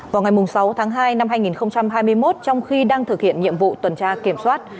vào ngày sáu tháng hai năm hai nghìn hai mươi một trong khi đang thực hiện nhiệm vụ tuần tra kiểm soát